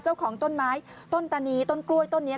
เจ้าของต้นไม้ต้นตานีต้นกล้วยต้นนี้